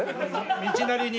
道なりに。